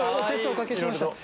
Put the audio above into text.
おかけしました。